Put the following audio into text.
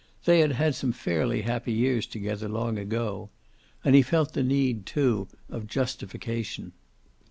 They had had some fairly happy years together, long ago. And he felt the need, too, of justification.